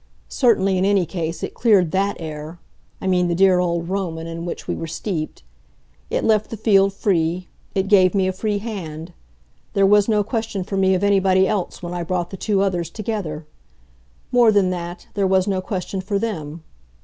Certainly, in any case, it cleared THAT air I mean the dear old Roman, in which we were steeped. It left the field free it gave me a free hand. There was no question for me of anybody else when I brought the two others together. More than that, there was no question for them.